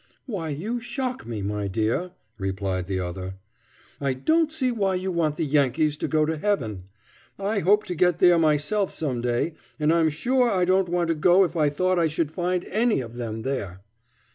"Why, you shock me, my dear," replied the other; "I don't see why you want the Yankees to go to heaven! I hope to get there myself some day, and I'm sure I shouldn't want to go if I thought I should find any of them there."